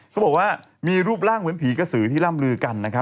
เขาบอกว่ามีรูปร่างเหมือนผีกระสือที่ร่ำลือกันนะครับ